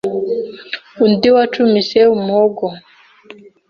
Undi wacumise umuhogo